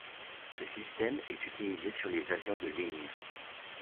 Ce système est utilisé sur les avions de ligne.